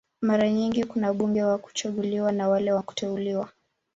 Mara nyingi kuna wabunge wa kuchaguliwa na wale wa kuteuliwa.